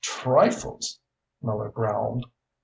"Trifles!" Miller growled.